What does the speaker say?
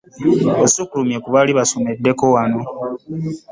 Osukkulumye ku baali basomeddeko wano!